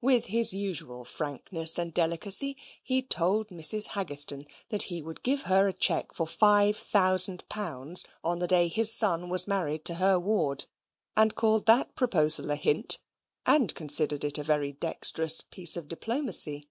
With his usual frankness and delicacy he told Mrs. Haggistoun that he would give her a cheque for five thousand pounds on the day his son was married to her ward; and called that proposal a hint, and considered it a very dexterous piece of diplomacy.